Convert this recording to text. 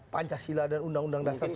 pancasila dan undang undang dasar